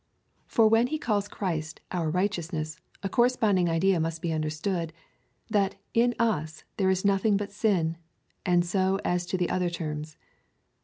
For when he calls Christ our righteousness, a corresponding idea must be understood — that in us there is nothing but sin ; and so as to the other terms.